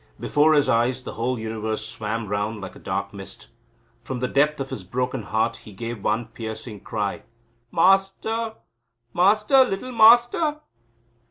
Before his eyes the whole universe swam round like a dark mist. From the depth of his broken heart he gave one piercing cry; "Master, Master, little Master."